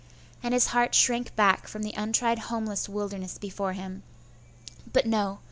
and his heart shrank back from the untried homeless wilderness before him. But no!